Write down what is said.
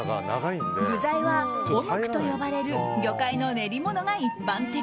具材はオムクと呼ばれる魚介の練り物が一般的。